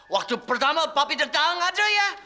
waktu pertama papi datang aja ya